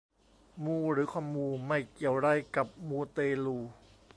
มูหรือคอมมู ไม่เกี่ยวไรกับมูเตลู